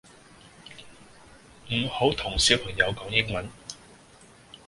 唔好同小朋友講英文